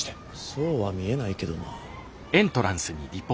そうは見えないけどな。